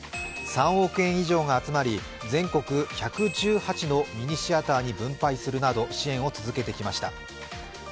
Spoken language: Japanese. ３億円以上が集まり、全国１１８のミニシアターに分配するなど支援を続けてきました。